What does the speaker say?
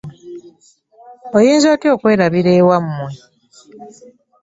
Oyinza otya okwerabira ewamwe